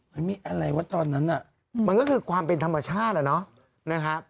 มันมีอะไรวะตอนนั้นน่ะมันก็คือความเป็นธรรมชาติอะเนาะนะครับ